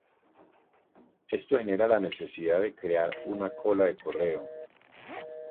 Esto genera la necesidad de crear una cola de correo.